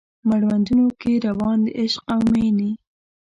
مړوندونو کې روان د عشق او میینې